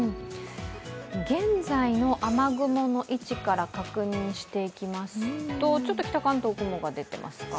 現在の雨雲の位置から確認していきますと、ちょっと北関東、雲が出ていますか？